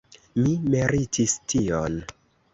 Mi meritis tion!